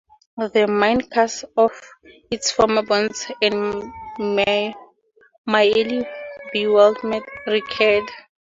My mind cast off its former bonds and my early bewilderment recurred.